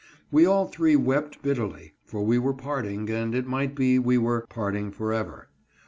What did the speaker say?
We all three wept bitterly, for we were parting, and it might be we were parting forever.